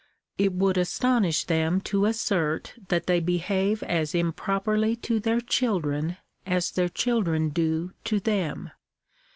It would astonish them to assert that they behave as improperly to their children as their children do to them.